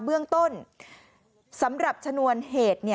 เบื้องต้นสำหรับชนวนเหตุ